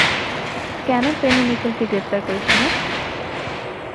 কেন পেনি নিকেলকে গ্রেফতার করেছিল?